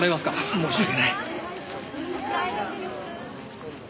申し訳ない。